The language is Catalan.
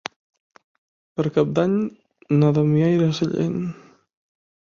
Per Cap d'Any na Damià irà a Sellent.